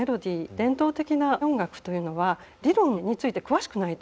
伝統的な音楽というのは理論について詳しくないと分からない。